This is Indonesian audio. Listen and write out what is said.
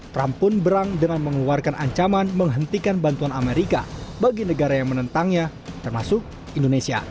trump pun berang dengan mengeluarkan ancaman menghentikan bantuan amerika bagi negara yang menentangnya termasuk indonesia